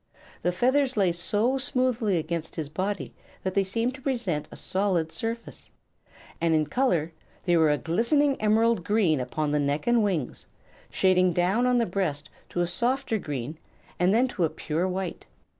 The feathers lay so smoothly against his body that they seemed to present a solid surface, and in color they were a glistening emerald green upon the neck and wings, shading down on the breast to a softer green and then to a pure white.